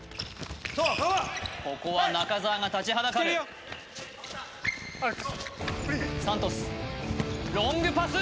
ここは中澤が立ちはだかる三都主ロングパス